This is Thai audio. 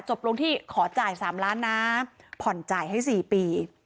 จบลงที่ขอจ่าย๓ล้านนะผ่อนจ่ายให้๔ปี